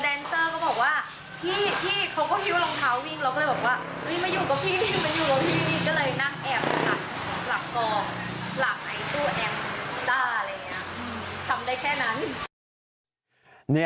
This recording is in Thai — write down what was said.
ก็เลยนักแอบหลับหลับกองหลับไหนตู้แอมต์ฟูตร่าอะไรอย่างนี้